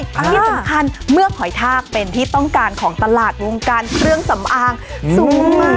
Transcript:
ที่สำคัญเมื่อหอยทากเป็นที่ต้องการของตลาดวงการเครื่องสำอางสูงมาก